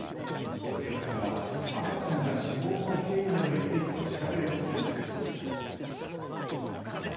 警察は赤ちゃんが死亡した経緯などについて調べることにしています。